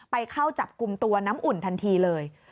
เข้าจับกลุ่มตัวน้ำอุ่นทันทีเลย